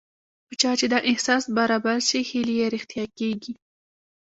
په چا چې دا احساس برابر شي هیلې یې رښتیا کېږي